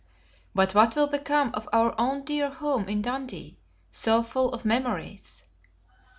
"But what will become of our own dear home in Dundee, so full of memories?"